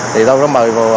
thì tôi đã mời